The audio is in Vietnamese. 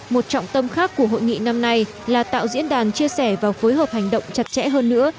một trọng tâm khác của hội nghị năm nay là tạo diễn đàn chia sẻ và phối hợp hành động chặt chẽ hơn nữa